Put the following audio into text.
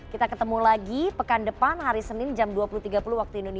kita ketemu lagi pekan depan hari senin jam dua puluh tiga puluh waktu indonesia